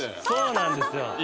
そうなんですよ。